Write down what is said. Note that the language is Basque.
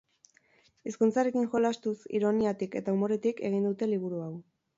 Hizkuntzarekin jolastuz, ironiatik eta umoretik egin dute liburu hau.